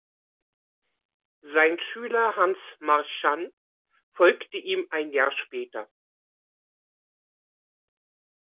Sein Schüler Hans Marchand folgte ihm ein Jahr später.